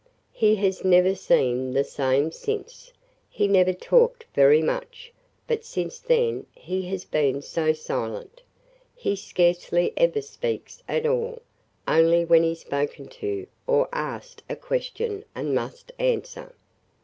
He has never seemed the same since. He never talked very much, but since then he has been so silent. He scarcely ever speaks at all, only when he 's spoken to or asked a question and must answer.